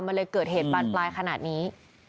มันเลยเกิดเหตุบานปลายขนาดนี้